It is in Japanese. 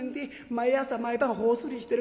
毎朝毎晩頬ずりしてる。